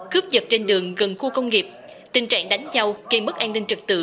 cướp giật trên đường gần khu công nghiệp tình trạng đánh nhau gây mất an ninh trật tự